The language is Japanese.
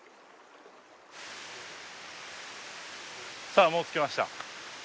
さあもう着きました。